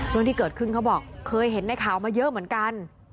เรื่องที่เกิดขึ้นเขาบอกเคยเห็นในข่าวมาเยอะเหมือนกัน